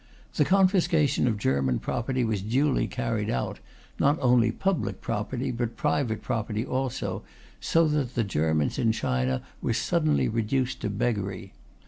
The confiscation of German property was duly carried out not only public property, but private property also, so that the Germans in China were suddenly reduced to beggary.